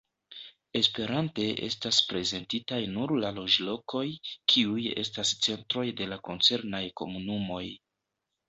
Esperante estas prezentitaj nur la loĝlokoj, kiuj estas centroj de la koncernaj komunumoj.